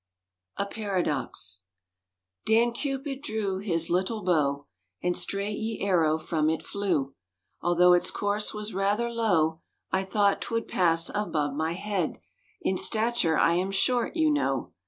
A PARADOX Dan Cupyd drewe hys lyttle bowe, And strayght ye arrowe from it flewe, Although its course was rather lowe, I thought 'twould pass above my heade— In stature I am shorte, you knowe.